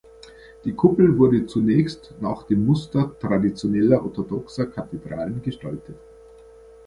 Die Kuppel wurde zunächst nach dem Muster traditioneller orthodoxer Kathedralen gestaltet.